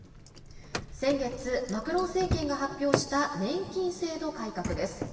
先月、マクロン政権が発表した年金制度改革です。